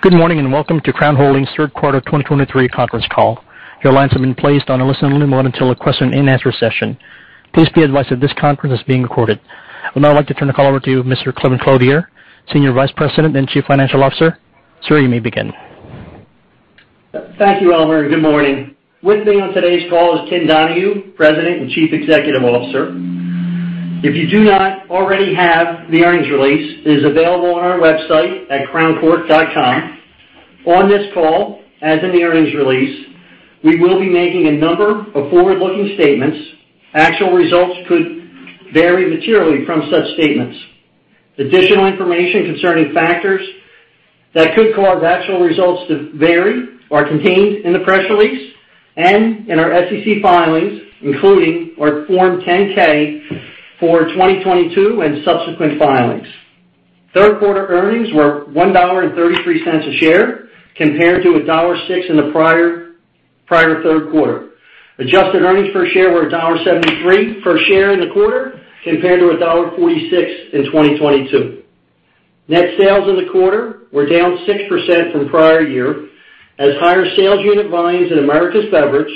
Good morning, and welcome to Crown Holdings' third quarter 2023 conference call. Your lines have been placed on a listen-only mode until the question-and-answer session. Please be advised that this conference is being recorded. I would now like to turn the call over to Mr. Kevin C. Clothier, Senior Vice President and Chief Financial Officer. Sir, you may begin. Thank you, Elmer, and good morning. With me on today's call is Tim Donahue, President and Chief Executive Officer. If you do not already have the earnings release, it is available on our website at crownholdings.com. On this call, as in the earnings release, we will be making a number of forward-looking statements. Actual results could vary materially from such statements. Additional information concerning factors that could cause actual results to vary are contained in the press release and in our SEC filings, including our Form 10-K for 2022 and subsequent filings. Third quarter earnings were $1.33 a share, compared to $1.06 in the prior-year third quarter. Adjusted earnings per share were $1.73 per share in the quarter, compared to $1.46 in 2022. Net sales in the quarter were down 6% from prior year, as higher sales unit volumes in Americas Beverage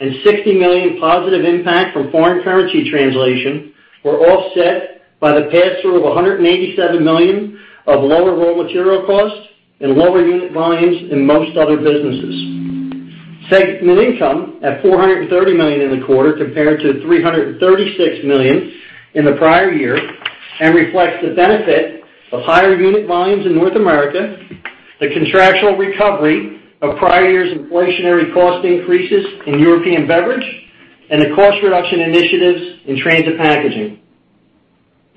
and $60 million positive impact from foreign currency translation were offset by the pass-through of $187 million of lower raw material costs and lower unit volumes in most other businesses. Segment income at $430 million in the quarter, compared to $336 million in the prior year, and reflects the benefit of higher unit volumes in North America, the contractual recovery of prior year's inflationary cost increases in European Beverage, and the cost reduction initiatives in Transit Packaging.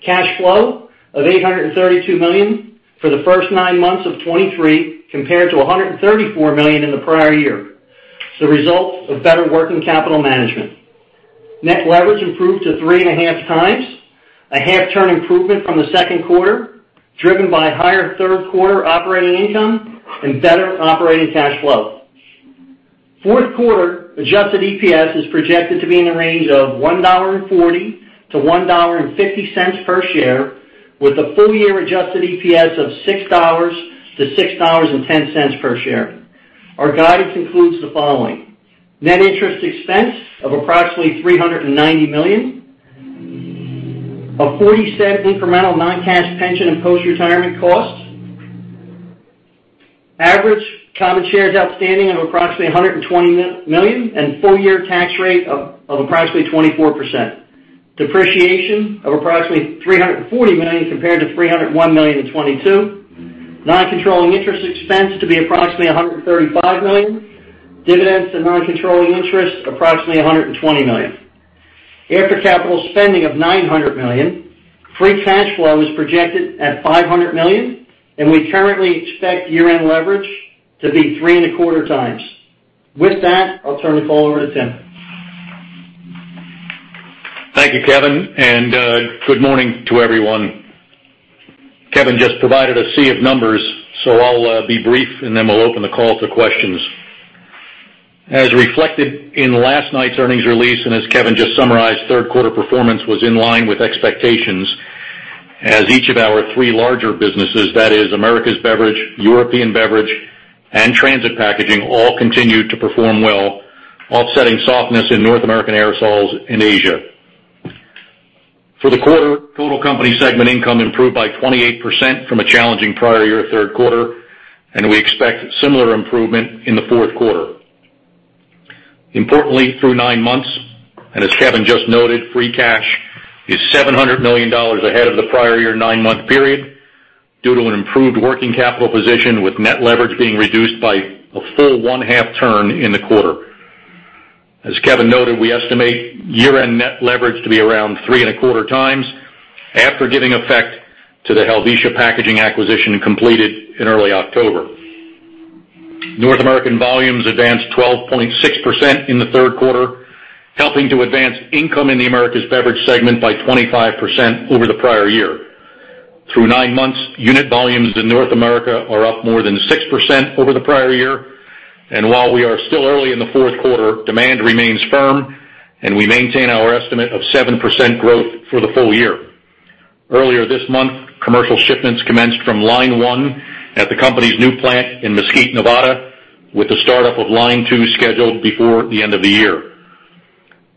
Cash flow of $832 million for the first 9 months of 2023, compared to $134 million in the prior year, is the result of better working capital management. Net leverage improved to 3.5 times, a 0.5-turn improvement from the second quarter, driven by higher third quarter operating income and better operating cash flow. Fourth quarter adjusted EPS is projected to be in the range of $1.40-$1.50 per share, with a full-year adjusted EPS of $6.00-$6.10 per share. Our guidance includes the following: Net interest expense of approximately $390 million, a $0.40 incremental non-cash pension and postretirement costs, average common shares outstanding of approximately 120 million, and full-year tax rate of approximately 24%. Depreciation of approximately $340 million compared to $301 million in 2022. Non-controlling interest expense to be approximately $135 million. Dividends to non-controlling interests, approximately $120 million. After capital spending of $900 million, free cash flow is projected at $500 million, and we currently expect year-end leverage to be 3.25 times. With that, I'll turn the call over to Tim. Thank you, Kevin, and good morning to everyone. Kevin just provided a sea of numbers, so I'll be brief, and then we'll open the call to questions. As reflected in last night's earnings release, and as Kevin just summarized, third quarter performance was in line with expectations as each of our three larger businesses, that is, Americas Beverage, European Beverage, and Transit Packaging, all continued to perform well, offsetting softness in North American aerosols in Asia. For the quarter, total company segment income improved by 28% from a challenging prior year third quarter, and we expect similar improvement in the fourth quarter. Importantly, through nine months, and as Kevin just noted, free cash is $700 million ahead of the prior year nine-month period due to an improved working capital position, with net leverage being reduced by a full 0.5 turn in the quarter. As Kevin noted, we estimate year-end net leverage to be around 3.25 times after giving effect to the Helvetia Packaging acquisition completed in early October. North American volumes advanced 12.6% in the third quarter, helping to advance income in the Americas beverage segment by 25% over the prior year. Through nine months, unit volumes in North America are up more than 6% over the prior year, and while we are still early in the fourth quarter, demand remains firm, and we maintain our estimate of 7% growth for the full year. Earlier this month, commercial shipments commenced from line 1 at the company's new plant in Mesquite, Nevada, with the startup of line 2 scheduled before the end of the year.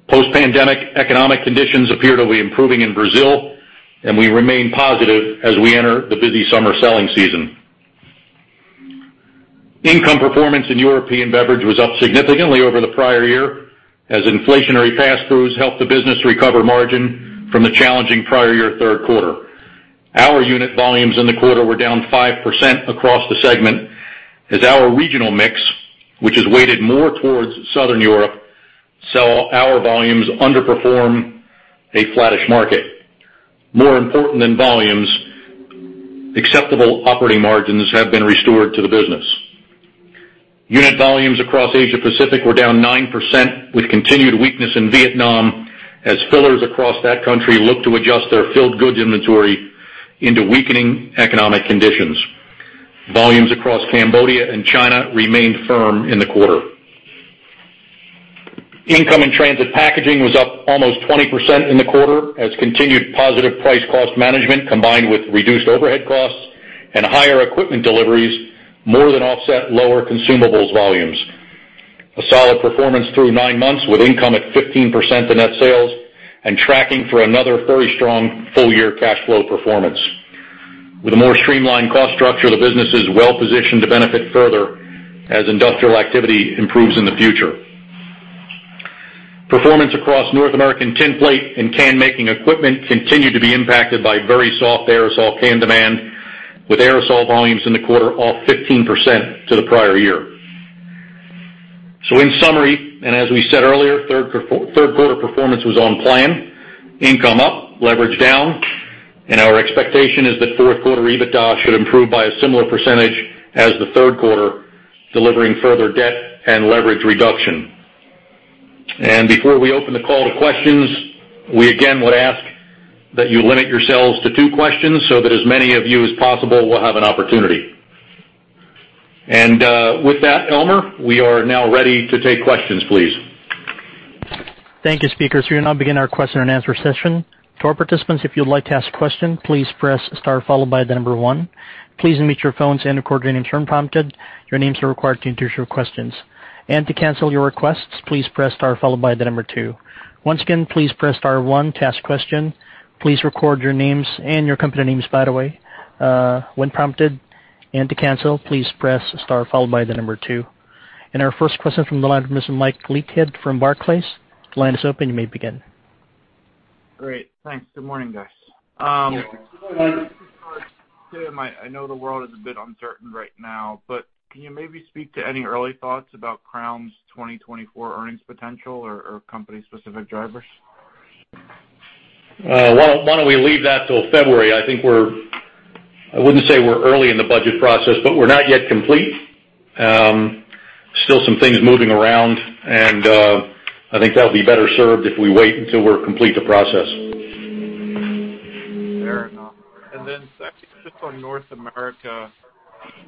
Post-pandemic economic conditions appear to be improving in Brazil, and we remain positive as we enter the busy summer selling season. Income performance in European Beverage was up significantly over the prior year, as inflationary pass-throughs helped the business recover margin from the challenging prior year, third quarter. Our unit volumes in the quarter were down 5% across the segment, as our regional mix, which is weighted more towards Southern Europe, saw our volumes underperform a flattish market. More important than volumes, acceptable operating margins have been restored to the business. Unit volumes across Asia Pacific were down 9%, with continued weakness in Vietnam, as fillers across that country look to adjust their filled goods inventory into weakening economic conditions. Volumes across Cambodia and China remained firm in the quarter.... Income in transit packaging was up almost 20% in the quarter as continued positive price cost management, combined with reduced overhead costs and higher equipment deliveries, more than offset lower consumables volumes. A solid performance through nine months, with income at 15% in net sales and tracking for another very strong full year cash flow performance. With a more streamlined cost structure, the business is well positioned to benefit further as industrial activity improves in the future. Performance across North American tinplate and can-making equipment continued to be impacted by very soft aerosol can demand, with aerosol volumes in the quarter off 15% to the prior year. So in summary, and as we said earlier, third quarter, third quarter performance was on plan, income up, leverage down, and our expectation is that fourth quarter EBITDA should improve by a similar percentage as the third quarter, delivering further debt and leverage reduction. And before we open the call to questions, we again would ask that you limit yourselves to two questions so that as many of you as possible will have an opportunity. And, with that, Elmer, we are now ready to take questions, please. Thank you, speakers. We will now begin our question and answer session. To our participants, if you'd like to ask a question, please press star followed by the number one. Please unmute your phones and according in turn prompted, your names are required to introduce your questions. And to cancel your requests, please press star followed by the number two. Once again, please press star one to ask question. Please record your names and your company names, by the way, when prompted. And to cancel, please press star followed by the number two. And our first question from the line, from Mr. Mike Leithead from Barclays. The line is open. You may begin. Great. Thanks. Good morning, guys. I know the world is a bit uncertain right now, but can you maybe speak to any early thoughts about Crown's 2024 earnings potential or, or company-specific drivers? Why, why don't we leave that till February? I think we're. I wouldn't say we're early in the budget process, but we're not yet complete. Still some things moving around, and I think that'll be better served if we wait until we're complete the process. Fair enough. And then just on North America,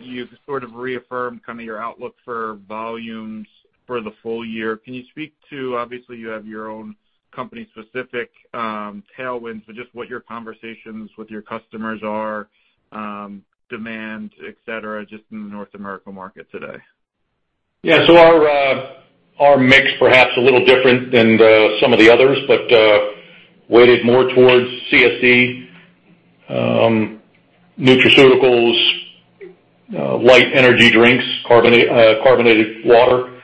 you sort of reaffirmed kind of your outlook for volumes for the full year. Can you speak to, obviously, you have your own company-specific tailwinds, but just what your conversations with your customers are, demand, et cetera, just in the North American market today? Yeah. So our mix perhaps a little different than some of the others, but weighted more towards CSD, nutraceuticals, light energy drinks, carbonated water.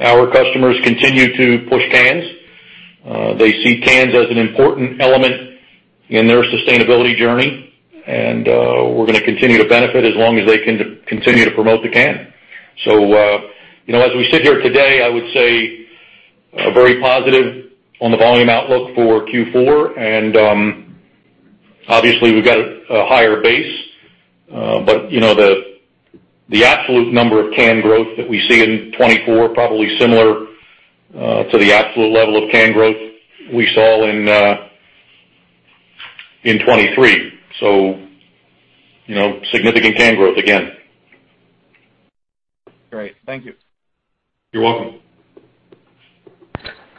Our customers continue to push cans. They see cans as an important element in their sustainability journey, and we're gonna continue to benefit as long as they can continue to promote the can. So you know, as we sit here today, I would say very positive on the volume outlook for Q4, and obviously we've got a higher base. But you know, the absolute number of can growth that we see in 2024, probably similar to the absolute level of can growth we saw in 2023. So you know, significant can growth again. Great. Thank you. You're welcome.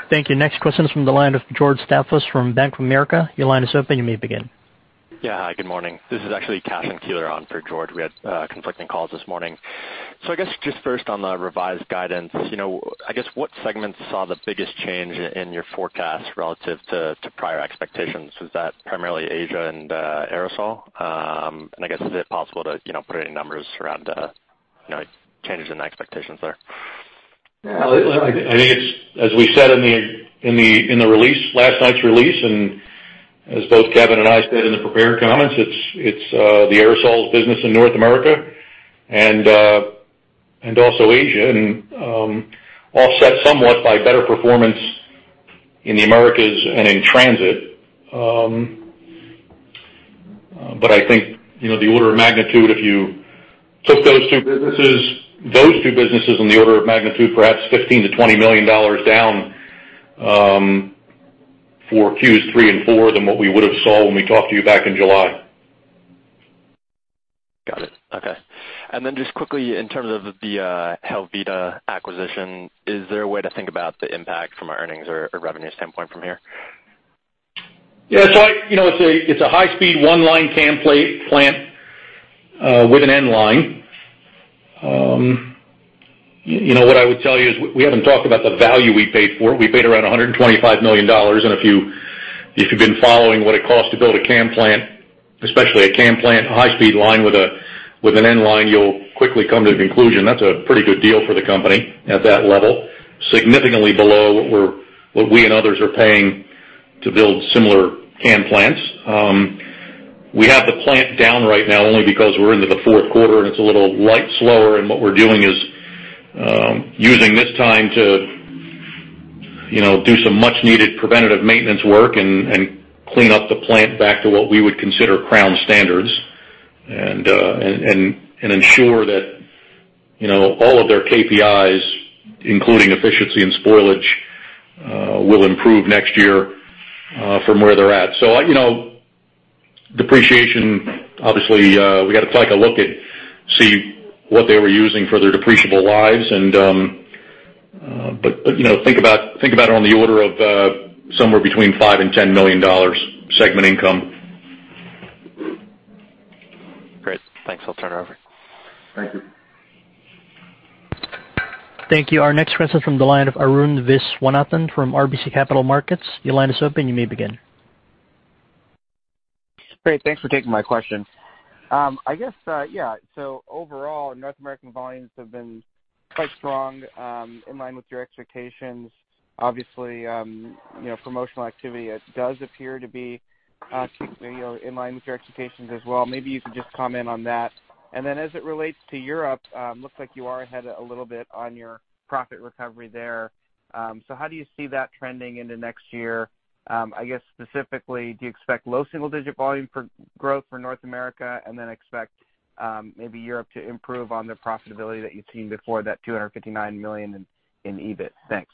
Thank you. Next question is from the line of George Staphos from Bank of America. Your line is open. You may begin. Yeah. Hi, good morning. This is actually Catherine Thompson on for George. We had conflicting calls this morning. So I guess just first on the revised guidance, you know, I guess, what segments saw the biggest change in your forecast relative to, to prior expectations? Was that primarily Asia and aerosol? And I guess, is it possible to, you know, put any numbers around, you know, changes in the expectations there? Yeah, I think it's, as we said in the release, last night's release, and as both Kevin and I said in the prepared comments, it's the aerosol business in North America and also Asia, offset somewhat by better performance in the Americas and in transit. But I think, you know, the order of magnitude, if you took those two businesses in the order of magnitude, perhaps $15 million-$20 million down, for Q3 and Q4 than what we would have saw when we talked to you back in July. Got it. Okay. And then just quickly, in terms of the Helvetia acquisition, is there a way to think about the impact from an earnings or a revenue standpoint from here? Yeah, it's like, you know, it's a, it's a high-speed, one-line can plate plant with an end line. You know, what I would tell you is we haven't talked about the value we paid for it. We paid around $125 million. And if you, if you've been following what it costs to build a can plant, especially a can plant, a high-speed line with a, with an end line, you'll quickly come to the conclusion that's a pretty good deal for the company at that level, significantly below what we're -- what we and others are paying to build similar can plants. We have the plant down right now only because we're into the fourth quarter, and it's a little lighter slower, and what we're doing is using this time to, you know, do some much-needed preventative maintenance work and clean up the plant back to what we would consider Crown standards. And ensure that, you know, all of their KPIs, including efficiency and spoilage, will improve next year from where they're at. So, you know, depreciation, obviously, we got to take a look and see what they were using for their depreciable lives, and but, you know, think about it on the order of somewhere between $5-$10 million segment income. Great. Thanks. I'll turn it over. Thank you. Thank you. Our next question from the line of Arun Viswanathan from RBC Capital Markets. Your line is open. You may begin. Great. Thanks for taking my question. I guess, yeah, so overall, North American volumes have been quite strong, in line with your expectations. Obviously, you know, promotional activity does appear to be, you know, in line with your expectations as well. Maybe you could just comment on that. And then as it relates to Europe, looks like you are ahead a little bit on your profit recovery there. So how do you see that trending into next year? I guess, specifically, do you expect low single digit volume for growth for North America and then expect, maybe Europe to improve on the profitability that you've seen before, that $259 million in EBIT? Thanks.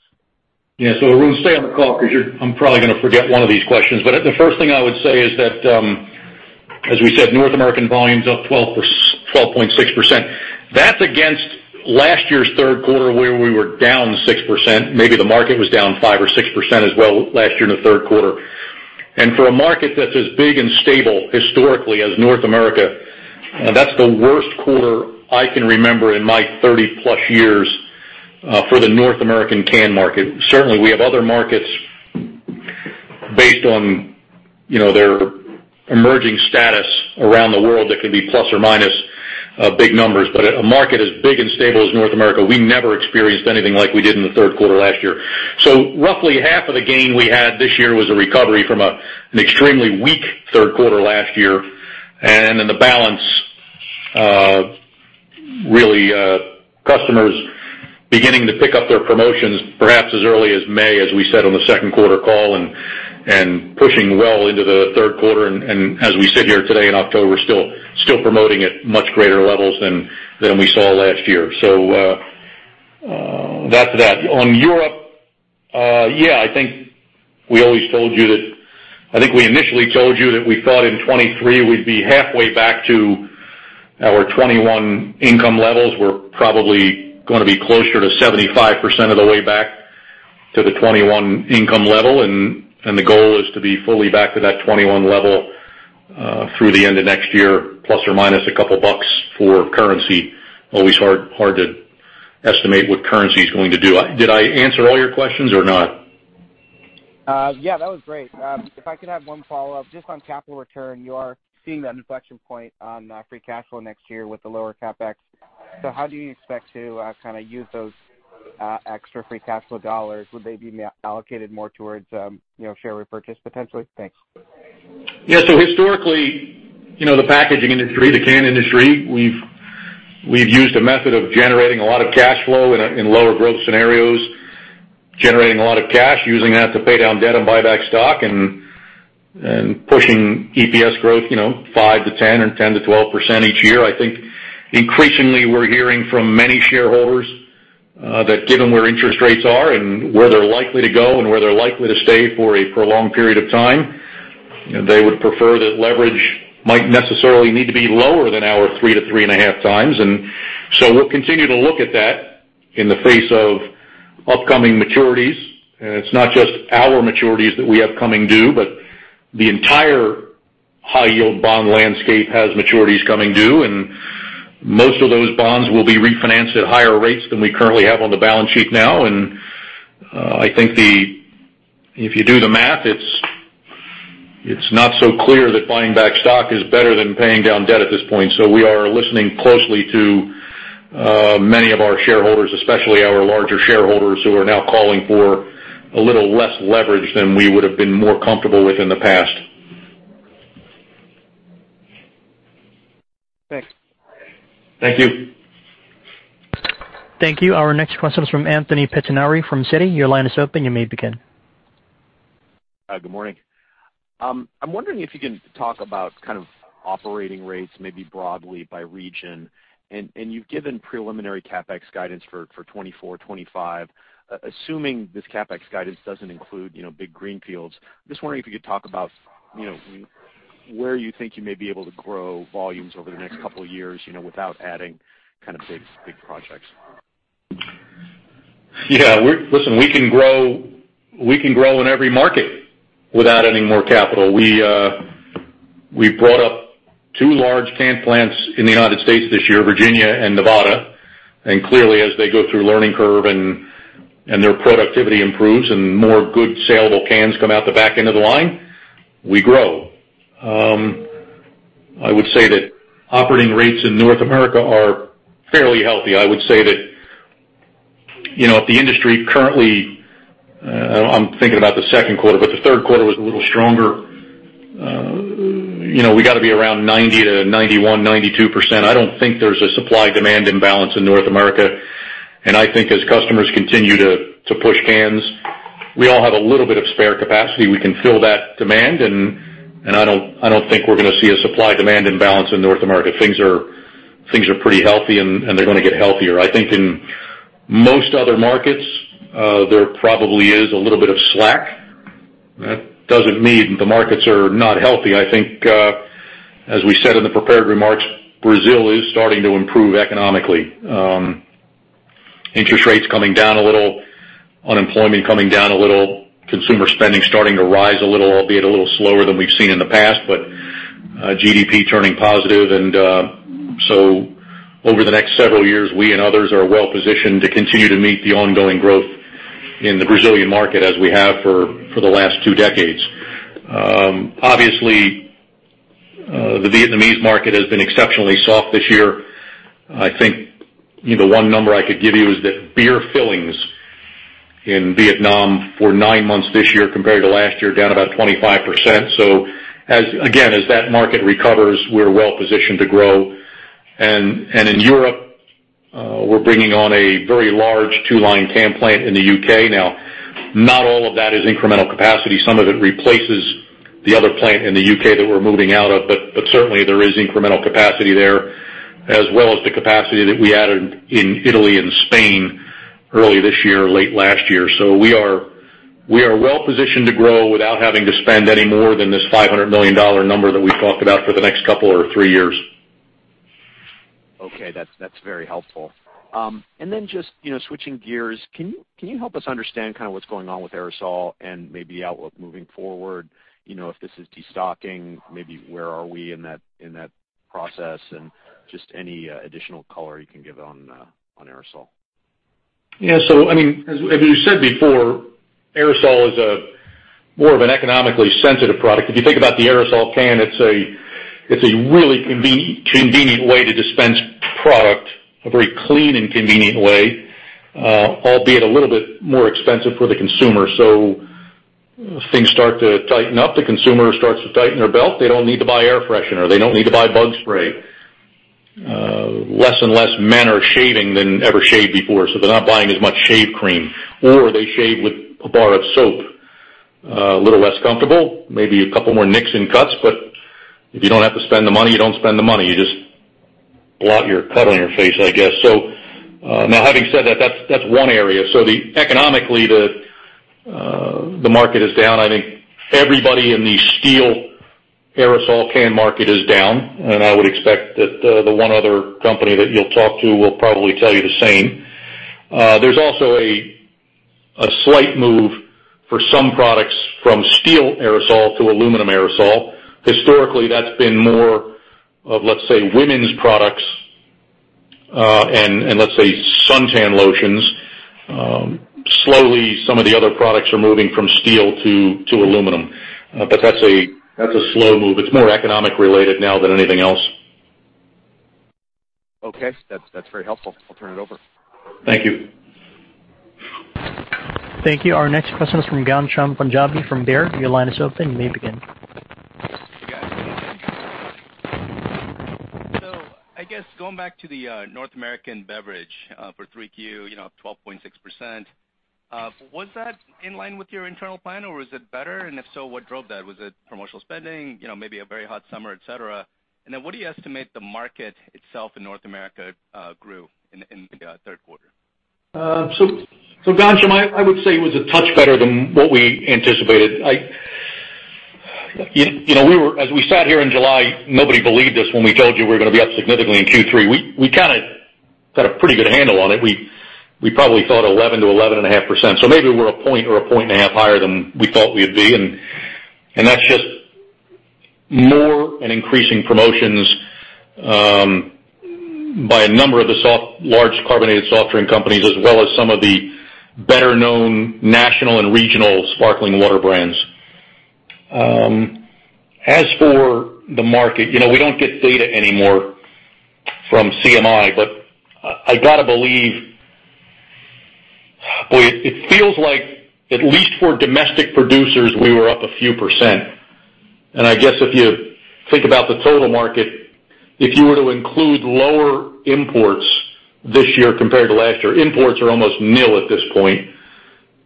Yeah. So Arun, stay on the call because you're. I'm probably gonna forget one of these questions. But the first thing I would say is that, as we said, North American volume's up 12.6%. That's against last year's third quarter, where we were down 6%. Maybe the market was down 5% or 6% as well last year in the third quarter. And for a market that's as big and stable historically as North America, that's the worst quarter I can remember in my 30+ years for the North American can market. Certainly, we have other markets based on, you know, their emerging status around the world that can be plus or minus big numbers. But a market as big and stable as North America, we never experienced anything like we did in the third quarter last year. So roughly half of the gain we had this year was a recovery from an extremely weak third quarter last year. And then the balance, really, customers beginning to pick up their promotions, perhaps as early as May, as we said on the second quarter call, and pushing well into the third quarter. And as we sit here today in October, we're still promoting at much greater levels than we saw last year. So that's that. On Europe, yeah, I think we always told you that. I think we initially told you that we thought in 2023 we'd be halfway back to our 2021 income levels. We're probably gonna be closer to 75% of the way back to the 2021 income level, and the goal is to be fully back to that 2021 level through the end of next year, plus or minus a couple of bucks for currency. Always hard to estimate what currency is going to do. Did I answer all your questions or not? Yeah, that was great. If I could have one follow-up, just on capital return, you are seeing that inflection point on free cash flow next year with the lower CapEx. So how do you expect to kind of use those extra free cash flow dollars? Would they be allocated more towards, you know, share repurchase, potentially? Thanks. Yeah. So historically, you know, the packaging industry, the can industry, we've used a method of generating a lot of cash flow in a, in lower growth scenarios, generating a lot of cash, using that to pay down debt and buy back stock, and pushing EPS growth, you know, 5%-10% or 10%-12% each year. I think increasingly we're hearing from many shareholders that given where interest rates are and where they're likely to go and where they're likely to stay for a prolonged period of time, they would prefer that leverage might necessarily need to be lower than our 3-3.5 times. And so we'll continue to look at that in the face of upcoming maturities. It's not just our maturities that we have coming due, but the entire high yield bond landscape has maturities coming due, and most of those bonds will be refinanced at higher rates than we currently have on the balance sheet now. I think if you do the math, it's not so clear that buying back stock is better than paying down debt at this point. So we are listening closely to many of our shareholders, especially our larger shareholders, who are now calling for a little less leverage than we would have been more comfortable with in the past. Thanks. Thank you. Thank you. Our next question is from Anthony Pettinari from Citi. Your line is open. You may begin. Good morning. I'm wondering if you can talk about kind of operating rates, maybe broadly by region. And you've given preliminary CapEx guidance for 2024, 2025. Assuming this CapEx guidance doesn't include, you know, big greenfields, just wondering if you could talk about, you know, where you think you may be able to grow volumes over the next couple of years, you know, without adding kind of big, big projects. Yeah, listen, we can grow, we can grow in every market without any more capital. We brought up two large can plants in the United States this year, Virginia and Nevada. And clearly, as they go through learning curve and their productivity improves and more good saleable cans come out the back end of the line, we grow. I would say that operating rates in North America are fairly healthy. I would say that, you know, if the industry currently, I'm thinking about the second quarter, but the third quarter was a little stronger. You know, we got to be around 90 to 91, 92%. I don't think there's a supply-demand imbalance in North America, and I think as customers continue to push cans, we all have a little bit of spare capacity. We can fill that demand, and I don't think we're gonna see a supply-demand imbalance in North America. Things are pretty healthy, and they're gonna get healthier. I think in most other markets, there probably is a little bit of slack. That doesn't mean the markets are not healthy. I think, as we said in the prepared remarks, Brazil is starting to improve economically. Interest rates coming down a little, unemployment coming down a little, consumer spending starting to rise a little, albeit a little slower than we've seen in the past. But GDP turning positive, and so over the next several years, we and others are well positioned to continue to meet the ongoing growth in the Brazilian market, as we have for the last two decades. Obviously, the Vietnamese market has been exceptionally soft this year. I think, you know, one number I could give you is that beer fillings in Vietnam for nine months this year compared to last year, down about 25%. So, again, as that market recovers, we're well positioned to grow. And in Europe, we're bringing on a very large two-line can plant in the U.K. Now, not all of that is incremental capacity. Some of it replaces the other plant in the U.K. that we're moving out of, but certainly, there is incremental capacity there, as well as the capacity that we added in Italy and Spain early this year, late last year. So we are well positioned to grow without having to spend any more than this $500 million number that we've talked about for the next couple or three years. Okay, that's very helpful. And then just, you know, switching gears, can you help us understand kind of what's going on with aerosol and maybe the outlook moving forward? You know, if this is destocking, maybe where are we in that process, and just any additional color you can give on aerosol? Yeah, so I mean, as you said before, aerosol is more of an economically sensitive product. If you think about the aerosol can, it's a really convenient way to dispense product, a very clean and convenient way, albeit a little bit more expensive for the consumer. So things start to tighten up, the consumer starts to tighten their belt. They don't need to buy air freshener. They don't need to buy bug spray. Less and less men are shaving than ever shaved before, so they're not buying as much shave cream, or they shave with a bar of soap. A little less comfortable, maybe a couple more nicks and cuts, but if you don't have to spend the money, you don't spend the money. You just blot your cut on your face, I guess. So, now, having said that, that's, that's one area. Economically, the market is down. I think everybody in the steel aerosol can market is down, and I would expect that the one other company that you'll talk to will probably tell you the same. There's also a slight move for some products from steel aerosol to aluminum aerosol. Historically, that's been more of, let's say, women's products, and let's say, suntan lotions. Slowly, some of the other products are moving from steel to aluminum. But that's a slow move. It's more economic related now than anything else. Okay. That's, that's very helpful. I'll turn it over. Thank you. Thank you. Our next question is from Ghansham Panjabi from Baird. Your line is open. You may begin. Hey, guys. So I guess going back to the North American beverage for 3Q, you know, up 12.6%, was that in line with your internal plan, or was it better? And if so, what drove that? Was it promotional spending, you know, maybe a very hot summer, et cetera? And then, what do you estimate the market itself in North America grew in the third quarter? So, so Ghansham, I would say it was a touch better than what we anticipated. You know, we were—as we sat here in July, nobody believed us when we told you we were gonna be up significantly in Q3. We kind of got a pretty good handle on it. We probably thought 11%-11.5%, so maybe we're a point or a point and a half higher than we thought we'd be, and that's just more and increasing promotions by a number of the soft—large carbonated soft drink companies, as well as some of the better-known national and regional sparkling water brands. As for the market, you know, we don't get data anymore from CMI, but I gotta believe... Boy, it feels like, at least for domestic producers, we were up a few %. I guess if you think about the total market, if you were to include lower imports this year compared to last year, imports are almost nil at this point.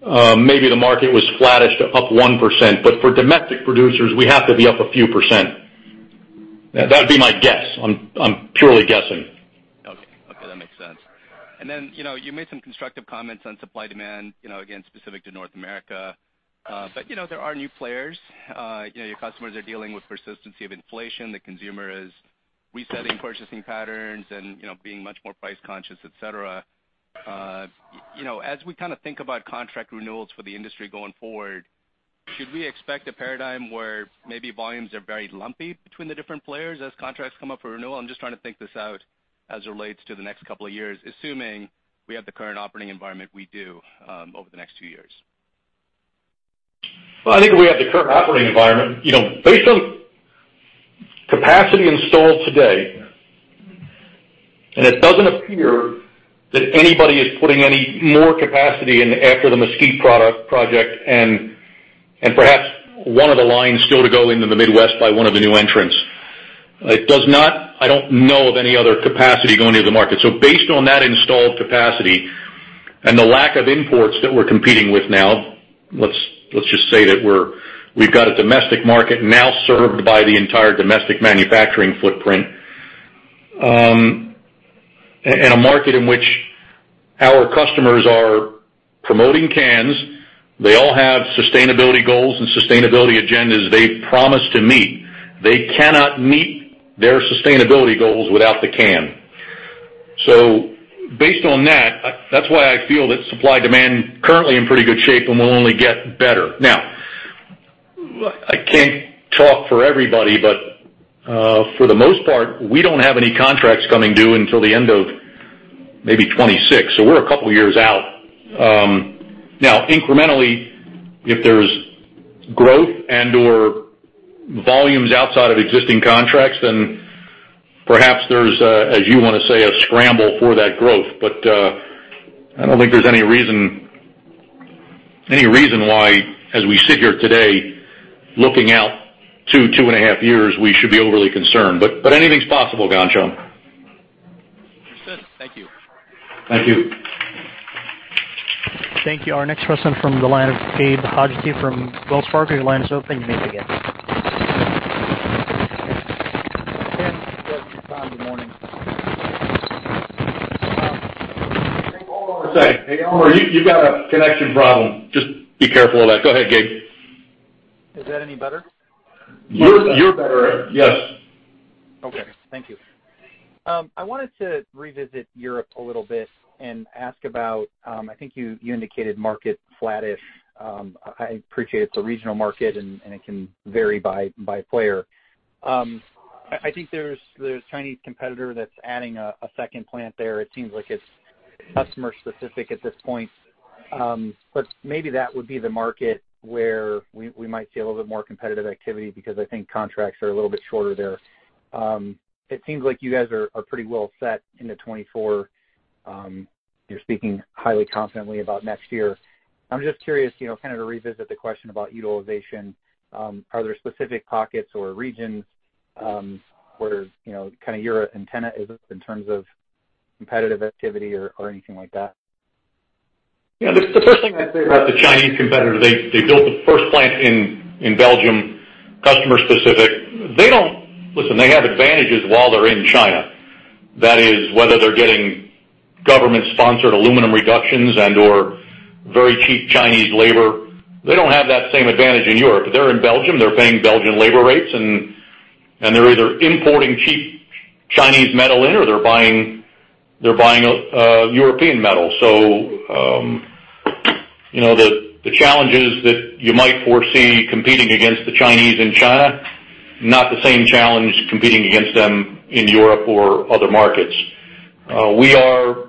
Maybe the market was flattish to up 1%, but for domestic producers, we have to be up a few %. That'd be my guess. I'm purely guessing. Okay. Okay, that makes sense. And then, you know, you made some constructive comments on supply-demand, you know, again, specific to North America. But you know, there are new players. You know, your customers are dealing with persistency of inflation. The consumer is resetting purchasing patterns and, you know, being much more price conscious, et cetera. You know, as we kind of think about contract renewals for the industry going forward, should we expect a paradigm where maybe volumes are very lumpy between the different players as contracts come up for renewal? I'm just trying to think this out as it relates to the next couple of years, assuming we have the current operating environment we do, over the next two years. Well, I think we have the current operating environment. You know, based on capacity installed today, and it doesn't appear that anybody is putting any more capacity in after the Mesquite project, and perhaps one of the lines still to go into the Midwest by one of the new entrants. It does not. I don't know of any other capacity going into the market. So based on that installed capacity and the lack of imports that we're competing with now, let's just say that we've got a domestic market now served by the entire domestic manufacturing footprint. And a market in which our customers are promoting cans. They all have sustainability goals and sustainability agendas they've promised to meet. They cannot meet their sustainability goals without the can. So based on that, that's why I feel that supply-demand currently in pretty good shape and will only get better. Now, I can't talk for everybody, but, for the most part, we don't have any contracts coming due until the end of maybe 2026, so we're a couple of years out. Now, incrementally, if there's growth and/or volumes outside of existing contracts, then perhaps there's a, as you want to say, a scramble for that growth. But, I don't think there's any reason, any reason why, as we sit here today, looking out 2-2.5 years, we should be overly concerned. But, anything's possible, Ghansham. Understood. Thank you. Thank you. Thank you. Our next question from the line of Gabe Hajde from Wells Fargo. Your line is open. You may begin. Good morning. Hey, Elmer, you've got a connection problem. Just be careful of that. Go ahead, Gabe. Is that any better? You're better. Yes. Okay, thank you. I wanted to revisit Europe a little bit and ask about, I think you indicated market flattish. I appreciate it's a regional market and it can vary by player. I think there's a Chinese competitor that's adding a second plant there. It seems like it's customer specific at this point, but maybe that would be the market where we might see a little bit more competitive activity because I think contracts are a little bit shorter there. It seems like you guys are pretty well set into 2024. You're speaking highly confidently about next year. I'm just curious, you know, kind of to revisit the question about utilization. Are there specific pockets or regions, where, you know, kind of your antenna is up in terms of competitive activity or anything like that? Yeah, the first thing about the Chinese competitor, they built the first plant in Belgium, customer specific. They don't... Listen, they have advantages while they're in China. That is, whether they're getting government-sponsored aluminum reductions and/or very cheap Chinese labor. They don't have that same advantage in Europe. They're in Belgium, they're paying Belgian labor rates, and they're either importing cheap Chinese metal in or they're buying European metal. So, you know, the challenges that you might foresee competing against the Chinese in China, not the same challenge competing against them in Europe or other markets. We are,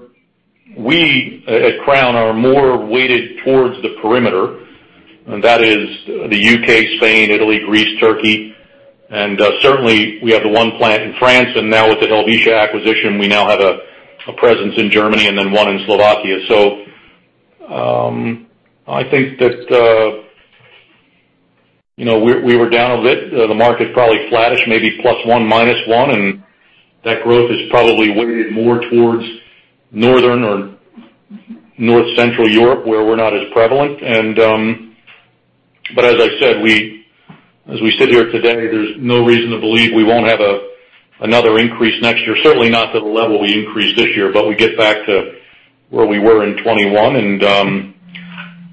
at Crown, more weighted towards the perimeter, and that is the UK, Spain, Italy, Greece, Turkey, and certainly we have the one plant in France, and now with the Helvetia acquisition, we now have a presence in Germany and then one in Slovakia. So, I think that, you know, we were down a bit. The market probably flattish, maybe +1, -1, and that growth is probably weighted more towards northern or North Central Europe, where we're not as prevalent. But as I said, as we sit here today, there's no reason to believe we won't have another increase next year. Certainly not to the level we increased this year, but we get back to where we were in 2021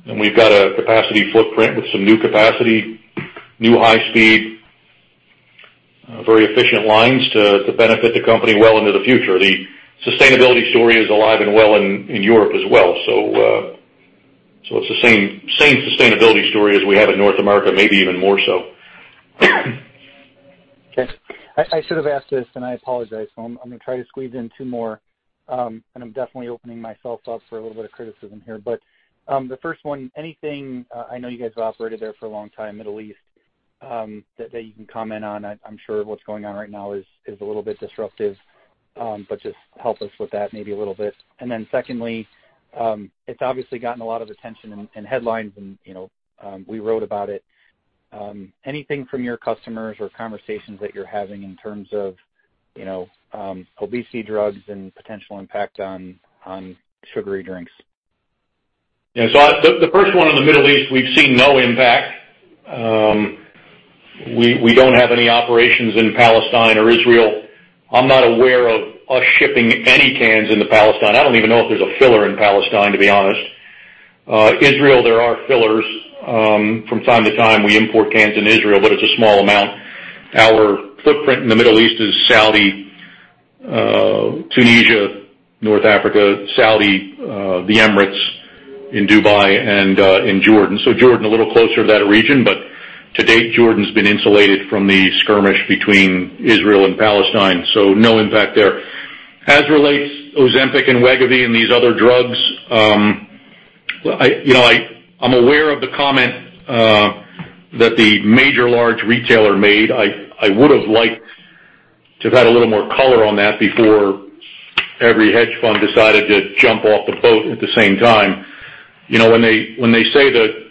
and we've got a capacity footprint with some new capacity, new high speed, very efficient lines to benefit the company well into the future. The sustainability story is alive and well in Europe as well. So, so it's the same, same sustainability story as we have in North America, maybe even more so. Okay. I should have asked this, and I apologize. So I'm gonna try to squeeze in two more, and I'm definitely opening myself up for a little bit of criticism here. But the first one, anything I know you guys have operated there for a long time, Middle East, that you can comment on. I'm sure what's going on right now is a little bit disruptive, but just help us with that maybe a little bit. And then secondly, it's obviously gotten a lot of attention and headlines and, you know, we wrote about it. Anything from your customers or conversations that you're having in terms of, you know, obesity drugs and potential impact on sugary drinks? Yeah. So the first one in the Middle East, we've seen no impact. We don't have any operations in Palestine or Israel. I'm not aware of us shipping any cans into Palestine. I don't even know if there's a filler in Palestine, to be honest. Israel, there are fillers. From time to time, we import cans in Israel, but it's a small amount. Our footprint in the Middle East is Saudi, Tunisia, North Africa, Saudi, the Emirates in Dubai and in Jordan. So Jordan, a little closer to that region, but to date, Jordan's been insulated from the skirmish between Israel and Palestine, so no impact there. As relates Ozempic and Wegovy and these other drugs, you know, I'm aware of the comment that the major large retailer made. I would have liked to have had a little more color on that before every hedge fund decided to jump off the boat at the same time. You know, when they say the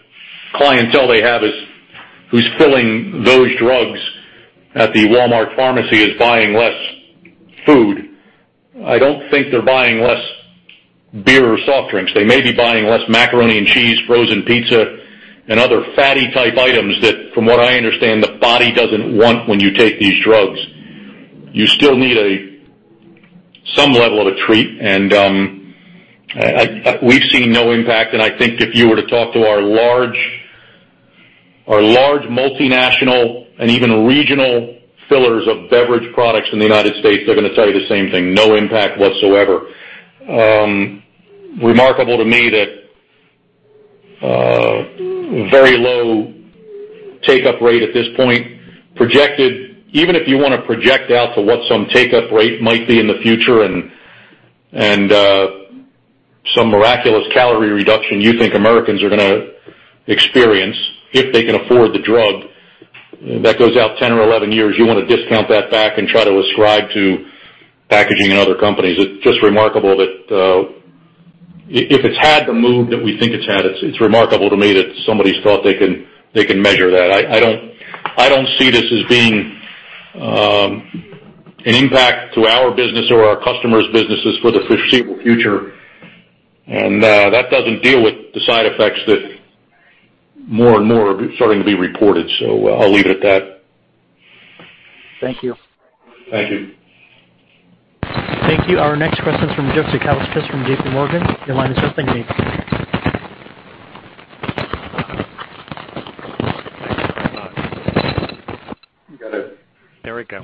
clientele they have is, who's filling those drugs at the Walmart pharmacy is buying less food, I don't think they're buying less beer or soft drinks. They may be buying less macaroni and cheese, frozen pizza, and other fatty type items that, from what I understand, the body doesn't want when you take these drugs. You still need some level of a treat, and we've seen no impact, and I think if you were to talk to our large multinational and even regional fillers of beverage products in the United States, they're gonna tell you the same thing: no impact whatsoever. Remarkable to me that very low take-up rate at this point, projected. Even if you want to project out to what some take-up rate might be in the future and some miraculous calorie reduction you think Americans are gonna experience, if they can afford the drug, that goes out 10 or 11 years, you want to discount that back and try to ascribe to packaging and other companies. It's just remarkable that if it's had the move that we think it's had, it's remarkable to me that somebody's thought they can measure that. I don't see this as being an impact to our business or our customers' businesses for the foreseeable future. That doesn't deal with the side effects that more and more are starting to be reported. So I'll leave it at that. Thank you. Thank you. Thank you. Our next question is from Jeff Zekauskas from J.P. Morgan. Your line is open. There we go.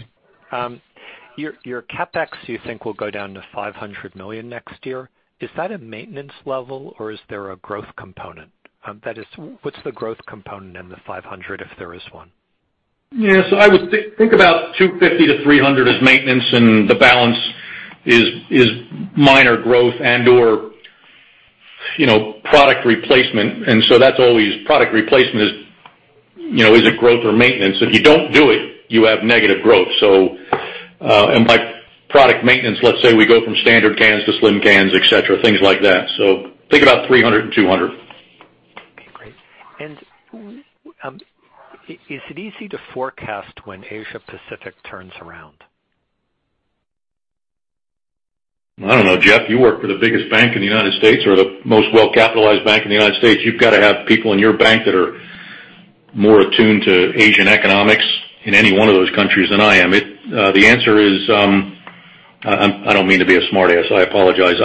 Your, your CapEx, you think will go down to $500 million next year. Is that a maintenance level, or is there a growth component? That is, what's the growth component in the $500 million, if there is one? Yes, I would think about $250-$300 as maintenance, and the balance is, is minor growth and/or, you know, product replacement. And so that's always product replacement is, you know, is a growth or maintenance. If you don't do it, you have negative growth. So, and by product maintenance, let's say we go from standard cans to slim cans, et cetera, things like that. So think about $300 and $200. Okay, great. And, is it easy to forecast when Asia Pacific turns around? I don't know, Jeff. You work for the biggest bank in the United States or the most well-capitalized bank in the United States. You've got to have people in your bank that are more attuned to Asian economics in any one of those countries than I am. The answer is, I don't mean to be a smart-ass. I apologize.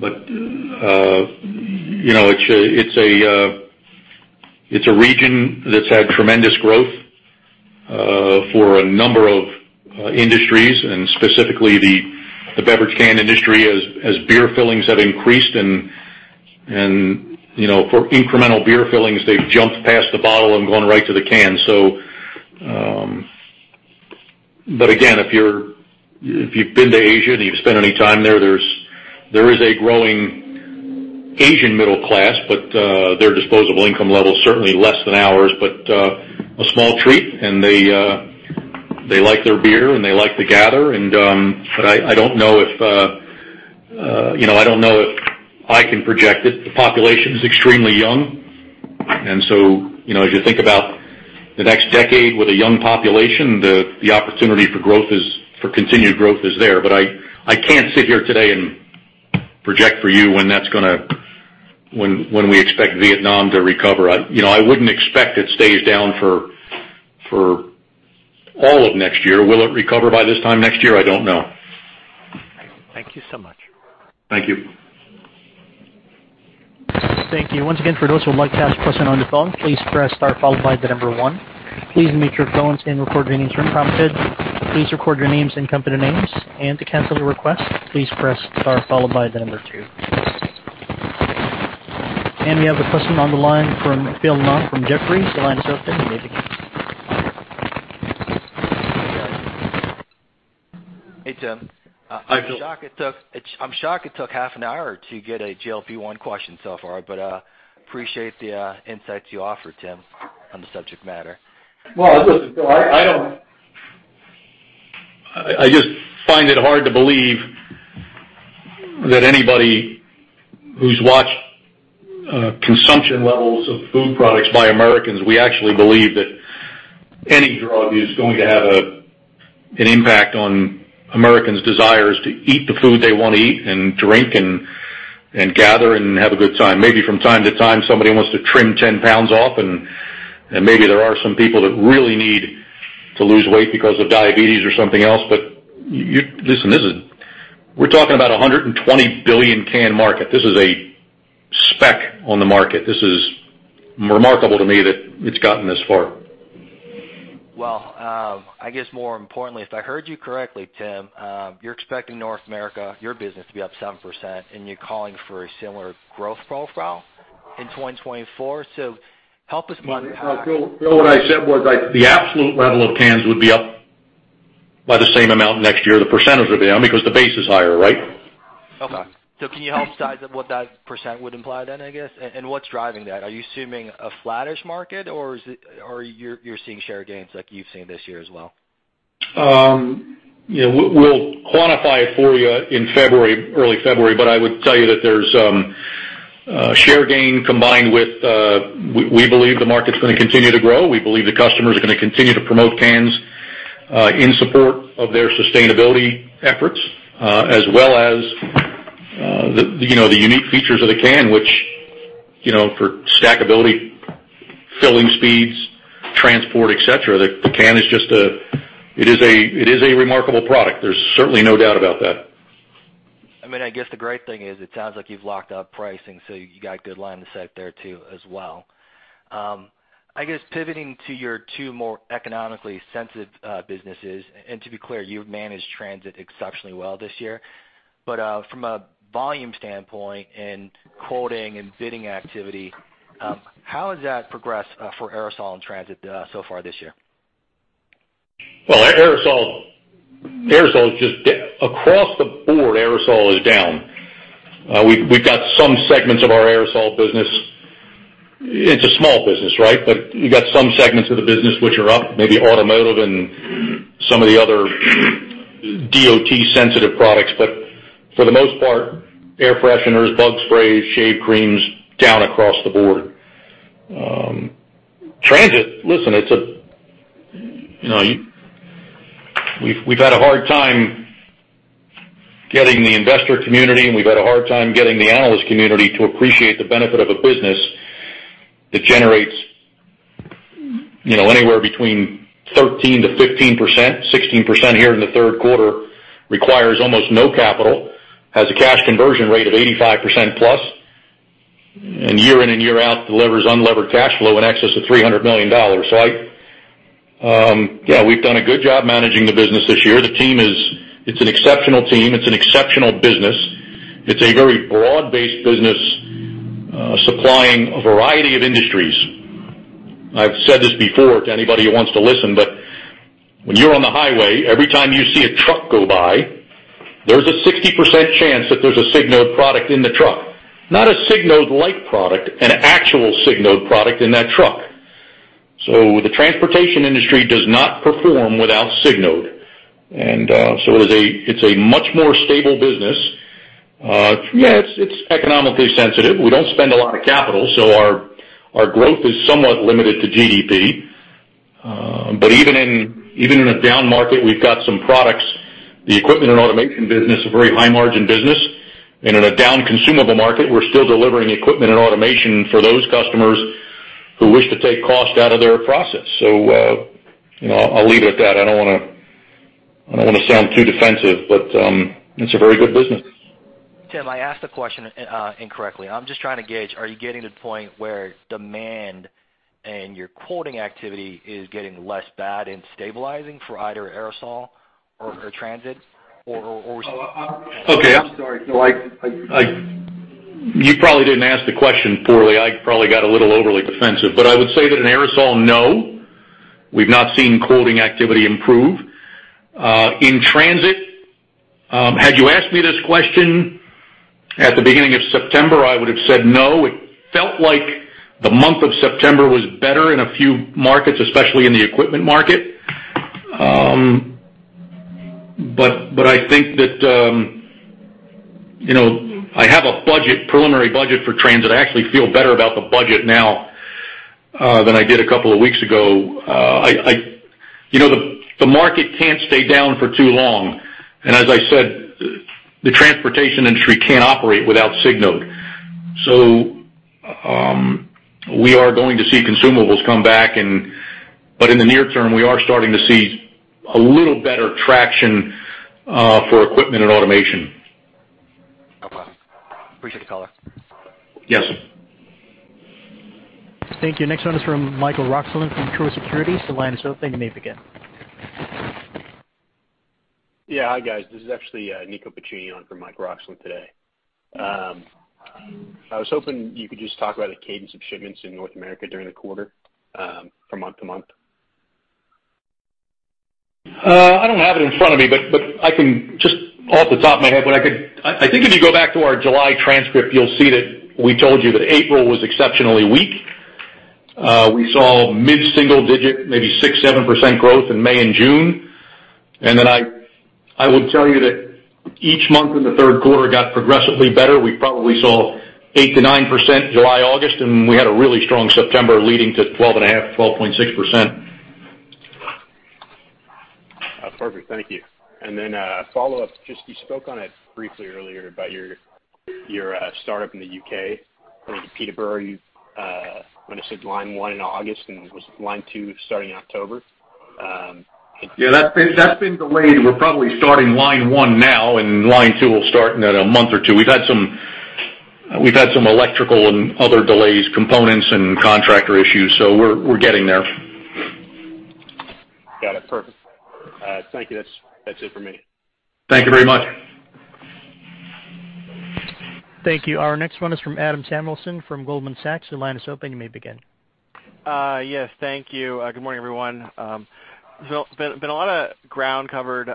But you know, it's a region that's had tremendous growth for a number of industries, and specifically the beverage can industry, as beer fillings have increased. You know, for incremental beer fillings, they've jumped past the bottle and gone right to the can. So, but again, if you've been to Asia and you've spent any time there, there is a growing Asian middle class, but their disposable income level is certainly less than ours, but a small treat, and they like their beer, and they like to gather. And, but I don't know if, you know, I don't know if I can project it. The population is extremely young, and so, you know, as you think about the next decade with a young population, the opportunity for growth, for continued growth is there. But I can't sit here today and project for you when that's gonna when we expect Vietnam to recover. You know, I wouldn't expect it stays down for all of next year. Will it recover by this time next year? I don't know. Thank you so much. Thank you. Thank you. Once again, for those who are on webcast present on the phone, please press Star, followed by the number one. Please unmute your phones and record your names as prompted. Please record your names and company names, and to cancel the request, please press Star, followed by the number two. And we have a person on the line from Phil Ng from Jefferies. Your line is open. Hey, Tim. Hi, Phil. I'm shocked it took half an hour to get a single question so far, but appreciate the insights you offered, Tim, on the subject matter. Well, listen, Phil, I don't—I just find it hard to believe that anybody who's watched consumption levels of food products by Americans, we actually believe that any drug is going to have an impact on Americans' desires to eat the food they want to eat and drink and gather and have a good time. Maybe from time to time, somebody wants to trim 10 pounds off, and maybe there are some people that really need to lose weight because of diabetes or something else. But you—listen, this is, we're talking about a 120 billion can market. This is a speck on the market. This is remarkable to me that it's gotten this far. Well, I guess more importantly, if I heard you correctly, Tim, you're expecting North America, your business, to be up 7%, and you're calling for a similar growth profile in 2024? Help us run the pack. Phil, Phil, what I said was, like, the absolute level of cans would be up by the same amount next year, the percentage of them, because the base is higher, right? Okay. So can you help size up what that percent would imply then, I guess? And what's driving that? Are you assuming a flattish market, or is it, or you're seeing share gains like you've seen this year as well?... Yeah, we'll, we'll quantify it for you in February, early February, but I would tell you that there's share gain combined with we believe the market's gonna continue to grow. We believe the customers are gonna continue to promote cans in support of their sustainability efforts as well as the you know the unique features of the can, which you know for stackability, filling speeds, transport, et cetera, the can is just a-- it is a, it is a remarkable product. There's certainly no doubt about that. I mean, I guess the great thing is, it sounds like you've locked up pricing, so you got a good line to set there, too, as well. I guess pivoting to your two more economically sensitive businesses, and to be clear, you've managed transit exceptionally well this year. But, from a volume standpoint and quoting and bidding activity, how has that progressed for aerosol and transit so far this year? Well, aerosol, aerosol is just down across the board, aerosol is down. We've, we've got some segments of our aerosol business. It's a small business, right? But you got some segments of the business which are up, maybe automotive and some of the other DOT-sensitive products. But for the most part, air fresheners, bug sprays, shave creams, down across the board. Transit, listen, it's a, you know, we've, we've had a hard time getting the investor community, and we've had a hard time getting the analyst community to appreciate the benefit of a business that generates, you know, anywhere between 13%-15%, 16% here in the third quarter, requires almost no capital, has a cash conversion rate of 85%+, and year in and year out, delivers unlevered cash flow in excess of $300 million. So I... Yeah, we've done a good job managing the business this year. The team is. It's an exceptional team. It's an exceptional business. It's a very broad-based business, supplying a variety of industries. I've said this before to anybody who wants to listen, but when you're on the highway, every time you see a truck go by, there's a 60% chance that there's a Signode product in the truck. Not a Signode-like product, an actual Signode product in that truck. So the transportation industry does not perform without Signode. And so it is a, it's a much more stable business. Yeah, it's, it's economically sensitive. We don't spend a lot of capital, so our growth is somewhat limited to GDP. But even in, even in a down market, we've got some products, the equipment and automation business, a very high margin business. In a down consumable market, we're still delivering equipment and automation for those customers who wish to take cost out of their process. So, you know, I'll leave it at that. I don't wanna, I don't wanna sound too defensive, but, it's a very good business. Tim, I asked the question incorrectly. I'm just trying to gauge, are you getting to the point where demand and your quoting activity is getting less bad and stabilizing for either aerosol or, or transit, or, or- Okay, I'm sorry. No, You probably didn't ask the question poorly. I probably got a little overly defensive. But I would say that in aerosol, no, we've not seen quoting activity improve. In transit, had you asked me this question at the beginning of September, I would have said no. It felt like the month of September was better in a few markets, especially in the equipment market. But, but I think that, you know, I have a preliminary budget for transit. I actually feel better about the budget now than I did a couple of weeks ago. You know, the market can't stay down for too long, and as I said, the transportation industry can't operate without Signode. So, we are going to see consumables come back and-- But in the near term, we are starting to see a little better traction, for equipment and automation. No problem. Appreciate the call. Yes. Thank you. Next one is from Michael Roxland from Truist Securities. The line is open. You may begin. Yeah. Hi, guys. This is actually, Nico Bacino on for Mike Roxland today. I was hoping you could just talk about the cadence of shipments in North America during the quarter, from month to month. I don't have it in front of me, but I can just off the top of my head. I think if you go back to our July transcript, you'll see that we told you that April was exceptionally weak. We saw mid-single digit, maybe 6, 7% growth in May and June. And then I would tell you that each month in the third quarter got progressively better. We probably saw 8%-9% July, August, and we had a really strong September leading to 12.5, 12.6%. Perfect. Thank you. And then, follow-up, just you spoke on it briefly earlier about your, your, startup in the U.K., in Peterborough. When I said line one in August and was line two starting in October? Yeah, that's been delayed. We're probably starting line one now, and line two will start in a month or two. We've had some electrical and other delays, components and contractor issues, so we're getting there. Got it. Perfect. Thank you. That's it for me. Thank you very much. Thank you. Our next one is from Adam Samuelson from Goldman Sachs. The line is open. You may begin. Yes, thank you. Good morning, everyone. So, a lot of ground covered,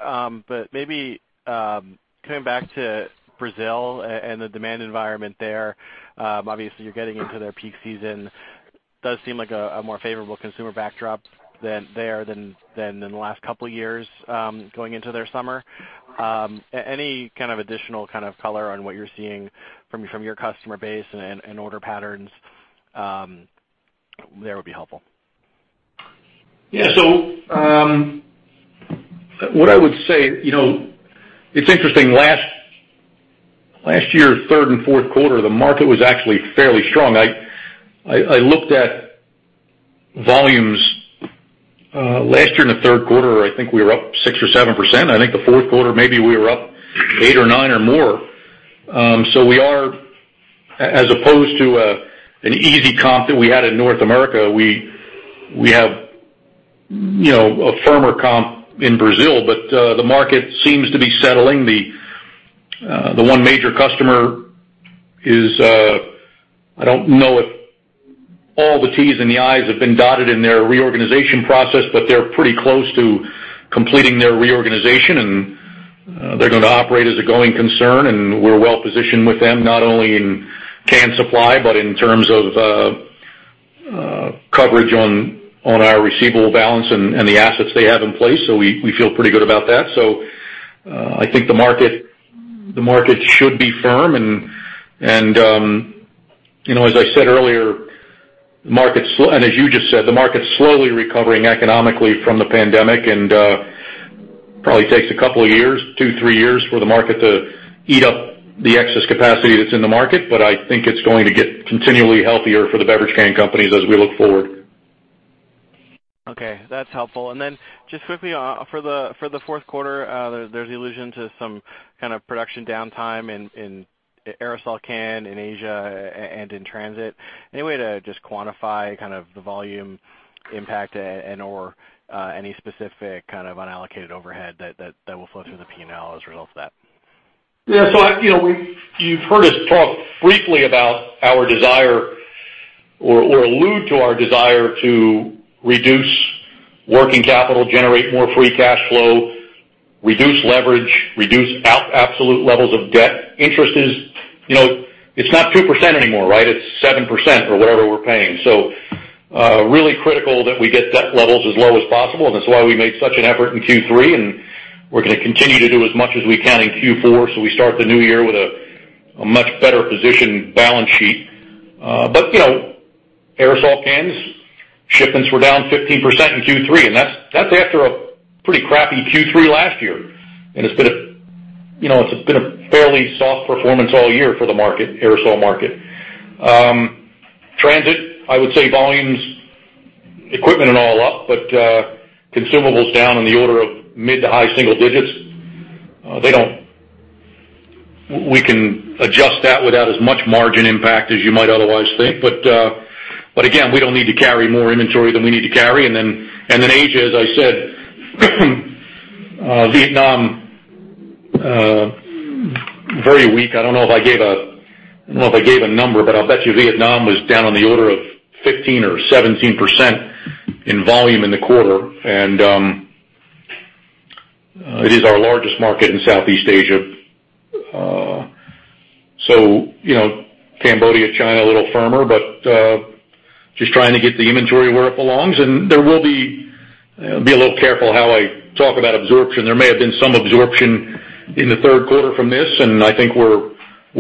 but maybe coming back to Brazil and the demand environment there, obviously, you're getting into their peak season. Does seem like a more favorable consumer backdrop than there than in the last couple of years, going into their summer. Any kind of additional kind of color on what you're seeing from your customer base and order patterns that would be helpful. Yeah. So, what I would say, you know, it's interesting, last year, third and fourth quarter, the market was actually fairly strong. I looked at volumes, last year in the third quarter, I think we were up 6% or 7%. I think the fourth quarter, maybe we were up 8% or 9% or more. So we are, as opposed to an easy comp that we had in North America, we have, you know, a firmer comp in Brazil. But the market seems to be settling. The one major customer is. I don't know if all the T's and the I's have been dotted in their reorganization process, but they're pretty close to completing their reorganization, and they're gonna operate as a going concern, and we're well positioned with them, not only in can supply, but in terms of coverage on our receivable balance and the assets they have in place. So we feel pretty good about that. So I think the market should be firm. And you know, as I said earlier, the market, and as you just said, the market's slowly recovering economically from the pandemic, and probably takes a couple of years, two, three years, for the market to eat up the excess capacity that's in the market. I think it's going to get continually healthier for the beverage can companies as we look forward. Okay, that's helpful. And then just quickly, for the fourth quarter, there's allusion to some kind of production downtime in aerosol can in Asia and in transit. Any way to just quantify kind of the volume impact and or any specific kind of unallocated overhead that will flow through the P&L as a result of that? Yeah, so I, you know, we-- you've heard us talk briefly about our desire or, or allude to our desire to reduce working capital, generate more free cash flow, reduce leverage, reduce absolute levels of debt. Interest is, you know, it's not 2% anymore, right? It's 7% or whatever we're paying. So, really critical that we get debt levels as low as possible, and that's why we made such an effort in Q3, and we're gonna continue to do as much as we can in Q4, so we start the new year with a, a much better positioned balance sheet. But, you know, aerosol cans, shipments were down 15% in Q3, and that's, that's after a pretty crappy Q3 last year. And it's been a, you know, it's been a fairly soft performance all year for the market, aerosol market. Transit, I would say volumes, equipment are all up, but consumables down in the order of mid to high single digits. They don't. We can adjust that without as much margin impact as you might otherwise think. But again, we don't need to carry more inventory than we need to carry. And then Asia, as I said, Vietnam, very weak. I don't know if I gave a number, but I'll bet you Vietnam was down on the order of 15 or 17% in volume in the quarter. And it is our largest market in Southeast Asia. So, you know, Cambodia, China, a little firmer, but just trying to get the inventory where it belongs. And there will be a little careful how I talk about absorption. There may have been some absorption in the third quarter from this, and I think we're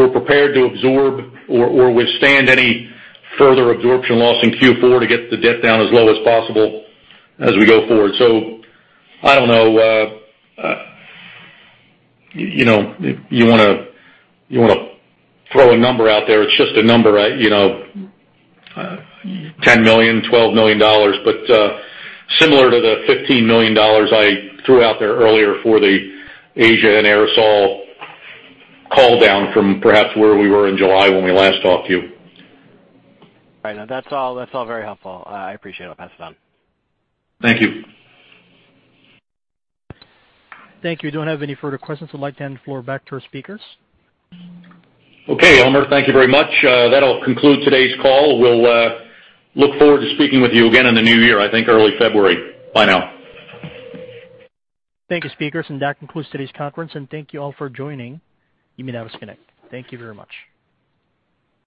prepared to absorb or withstand any further absorption loss in Q4 to get the debt down as low as possible as we go forward. So I don't know. You know, you wanna throw a number out there, it's just a number, right? You know, $10 million, $12 million, but similar to the $15 million I threw out there earlier for the Asia and aerosol call down from perhaps where we were in July when we last talked to you. Right. Now, that's all, that's all very helpful. I appreciate it. I'll pass it on. Thank you. Thank you. Don't have any further questions. I'd like to hand the floor back to our speakers. Okay, Elmer, thank you very much. That'll conclude today's call. We'll look forward to speaking with you again in the new year, I think early February. Bye now. Thank you, speakers, and that concludes today's conference, and thank you all for joining. You may now disconnect. Thank you very much.